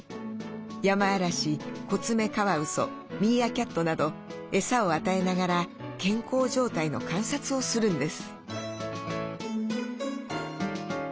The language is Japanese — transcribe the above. ヤマアラシコツメカワウソミーアキャットなどエサを与えながら健康状態の観察をするんです。